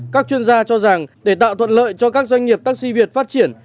các chuyên gia cho rằng để tạo thuận lợi cho các doanh nghiệp taxi việt phát triển